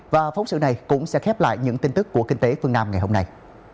và phóng sự này cũng sẽ khép lại những tin tức của kinh tế phương nam ngày hôm nay